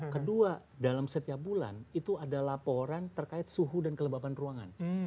kedua dalam setiap bulan itu ada laporan terkait suhu dan kelembaban ruangan